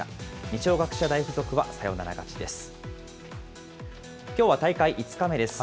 二松学舎大付属はサヨナラ勝ちです。